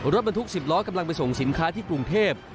รถบรรทุก๑๐ล้อกำลังไปส่งสินค้าที่กรุงเทพ